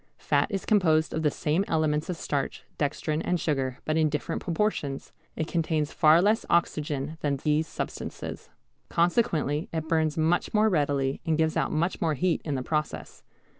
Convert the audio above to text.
Fat is composed of the same elements as starch, dextrin, and sugar, but in different proportions. It contains far less oxygen than these substances. Consequently it burns much more readily and gives out much more heat in the process.